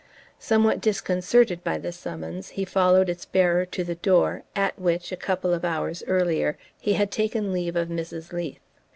Somewhat disconcerted by the summons, he followed its bearer to the door at which, a couple of hours earlier, he had taken leave of Mrs. Leath.